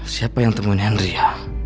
siapa yang temuin henry ya